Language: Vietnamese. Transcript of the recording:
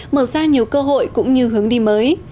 mở ra nhiều cơ hội cũng như hướng đi mới